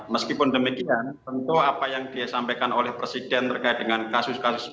meskipun demikian tentu apa yang disampaikan oleh presiden terkait dengan kasus kasus